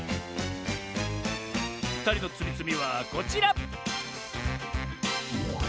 ふたりのつみつみはこちら！